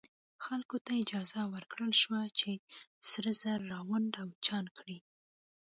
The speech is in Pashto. خلکو ته اجازه ورکړل شوه چې سره زر راغونډ او چاڼ کړي.